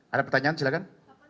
ada pertanyaan silahkan